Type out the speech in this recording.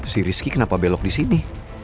si rizky kenapa belok disini